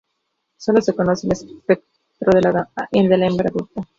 Solo se conoce el aspecto de la hembra adulta.